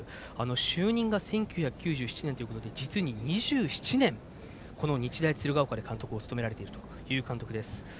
就任が１９９７年ということで実に２７年、この日大鶴ヶ丘で監督を務められている監督です。